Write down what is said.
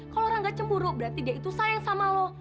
kalau rangga cemburu berarti dia tuh sayang sama lo